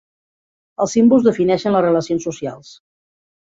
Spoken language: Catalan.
Els símbols defineixen les relacions socials.